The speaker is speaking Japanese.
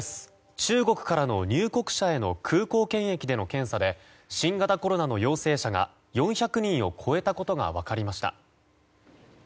中国からの入国者への空港検疫への検査で新型コロナの陽性者が４００人を超えたことが分かりました。